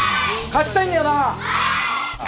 勝ちたいんだよなはい！